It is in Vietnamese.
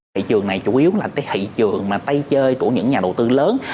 thị trường này chủ yếu là thị trường tay chơi của những nhà đầu tư lớn